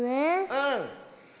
うん。